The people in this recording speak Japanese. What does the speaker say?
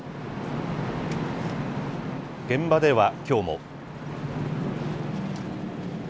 現場ではきょうも。